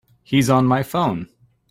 He's on my phone.